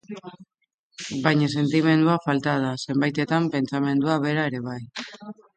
Baina sentimendua falta da; zenbaitetan, pentsamendua bera ere bai.